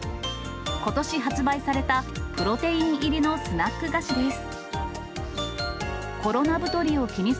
ことし発売されたプロテイン入りのスナック菓子です。